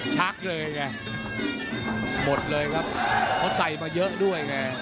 ชักเลยไงหมดเลยครับเพราะใส่มาเยอะด้วยไง